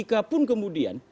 bahkan jika pun kemudian